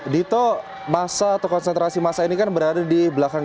dito masa atau konsentrasi masa ini kan berada di belakang